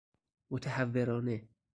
متهورانه